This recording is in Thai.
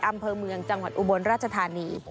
อำเภอเมืองจังหวัดอุบลราชธานี